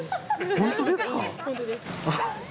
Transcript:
本当です。